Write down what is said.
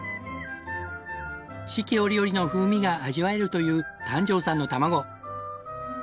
四季折々の風味が味わえるという檀上さんのたまご。